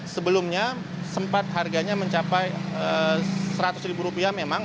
sebelumnya sempat harganya mencapai seratus ribu rupiah memang